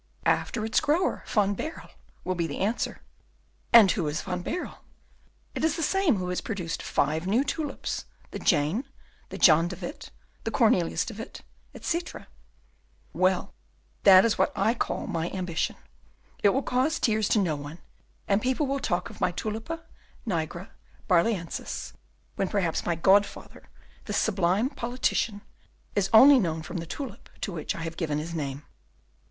'After its grower, Van Baerle,' will be the answer. 'And who is this Van Baerle?' 'It is the same who has already produced five new tulips: the Jane, the John de Witt, the Cornelius de Witt, etc.' Well, that is what I call my ambition. It will cause tears to no one. And people will talk of my Tulipa nigra Barlœnsis when perhaps my godfather, this sublime politician, is only known from the tulip to which I have given his name.